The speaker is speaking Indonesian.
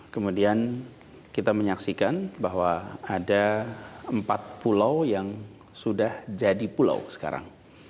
kemudian kita menyaksikan bahwa ada empat pulau yang sudah jadi pulau sekarang